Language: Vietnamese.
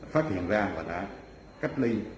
phát hiện ra và đã cách ly